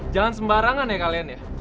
jangan sembarangan ya kalian ya